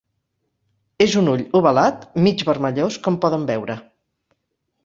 És un ull ovalat, mig vermellós, com poden veure.